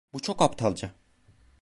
Bu çok aptalca.